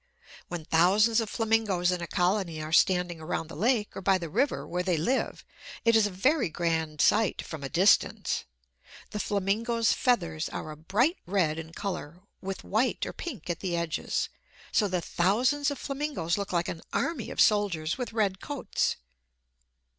When thousands of flamingos in a colony are standing around the lake or by the river, where they live, it is a very grand sight from a distance. The flamingo's feathers are a bright red in color, with white or pink at the edges; so the thousands of flamingos look like an army of soldiers with red coats.